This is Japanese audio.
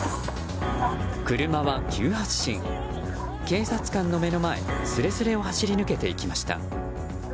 警察官の目の前すれすれを走り抜けていきました。